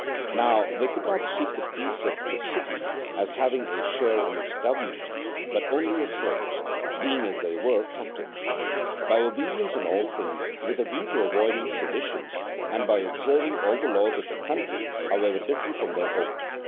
Now, they could not seek the peace of the city as having a share in its government, but only as slaves, being, as they were, captives ; by obedience in all things, with a view to avoiding seditions, and by observing all the laws of the country, however different from their own.